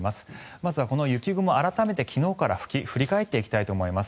まずはこの雪雲、昨日から振り返っていきたいと思います。